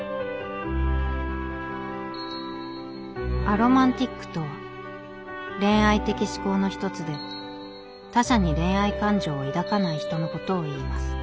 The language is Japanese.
「アロマンティックとは恋愛的指向の一つで他者に恋愛感情を抱かない人のことをいいます」